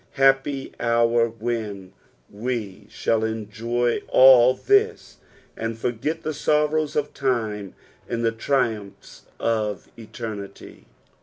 Happy hour when we shall enjoy all this and forget the sorrows of time in the triumphs of eternity.